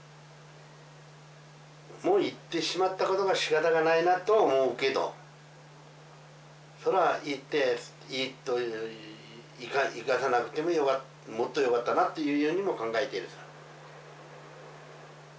もう行ってしまったことはしかたがないなと思うけどそら行っていいという行かさなくてももっとよかったなというようにも考えているさ。